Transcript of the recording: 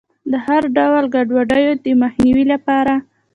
د هر ډول ګډوډیو د مخنیوي لپاره.